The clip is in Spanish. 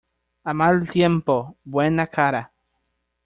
A mal tiempo, buena cara.